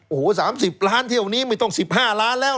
โอ้โห๓๐ล้านเที่ยวนี้ไม่ต้อง๑๕ล้านแล้ว